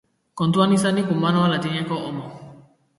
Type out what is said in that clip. Kontuan izanik humanoa latineko homo.